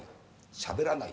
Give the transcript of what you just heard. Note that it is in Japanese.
しゃべらない。